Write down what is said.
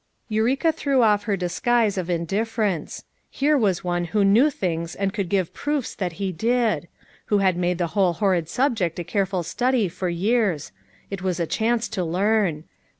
Eureka threw off her disguise of indifference. Here was one who knew things and could give proofs that he did; who had made the whole horrid subject a careful study for years; it was 330 FOUR MOTHERS AT CHAUTAUQUA a chance to learn.